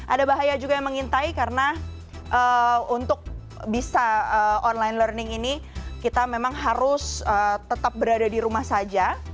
ada bahaya juga yang mengintai karena untuk bisa online learning ini kita memang harus tetap berada di rumah saja